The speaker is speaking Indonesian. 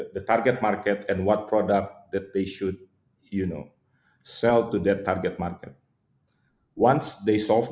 pasar target dan produk apa yang harus mereka jual ke pasar target itu setelah mereka menolong itu